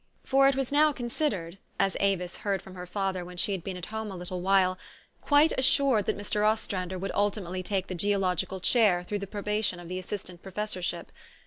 For it was now considered, as Avis heard from her father when she had been at home a little while, quite assured that Mr. Ostrander would ultimately take the geological chair through the probation of the assistant professorship.